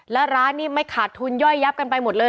แล้วร้านนี้ไม่ขาดทุนย่อยยับกันไปหมดเลย